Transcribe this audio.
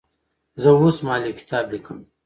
زه اوس مهال یو کتاب لیکم.